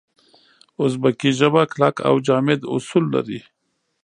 اوزبکي ژبه کلک او جامد اصول لري.